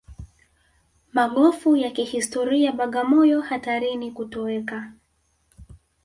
Magofu ya kihistoria Bagamoyo hatarini kutoweka